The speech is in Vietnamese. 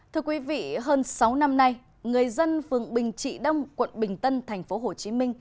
thưa quý vị hơn sáu năm nay người dân phường bình trị đông quận bình tân tp hcm